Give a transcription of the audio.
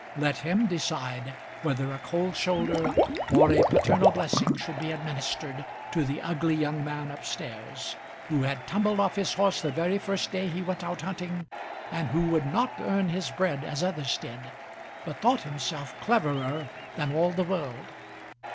Let him decide whether a cold shoulder or a paternal blessing should be administered to the ugly young man up stairs, who had tumbled off his horse the first day he went out hunting, and who would not earn his bread as others did, but thought himself cleverer than all the world.